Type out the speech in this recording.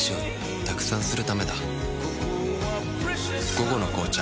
「午後の紅茶」